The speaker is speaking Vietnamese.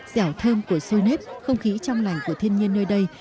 dẻo thơm của xôi nếp không khí trong lành của thiên nhiên nơi đây